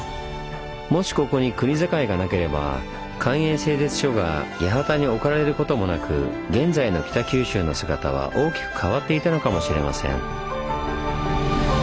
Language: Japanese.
もしここに国境がなければ官営製鐵所が八幡に置かれることもなく現在の北九州の姿は大きく変わっていたのかもしれません。